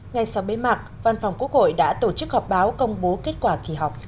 ngay sau bế mạc văn phòng quốc hội đã tổ chức họp báo công bố kết quả kỳ họp